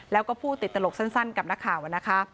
แล้วก็พูดติดตลกสั้นกับนักข่าวนะคะ